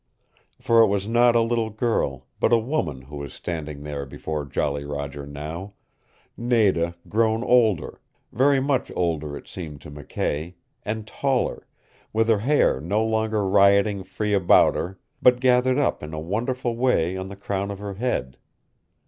For it was not a little girl, but a woman who was standing there before Jolly Roger now Nada grown older, very much older it seemed to McKay, and taller, with her hair no longer rioting free about her, but gathered up in a wonderful way on the crown of her head.